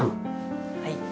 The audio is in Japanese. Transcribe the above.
はい。